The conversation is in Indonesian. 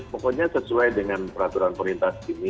pokoknya sesuai dengan peraturan perintah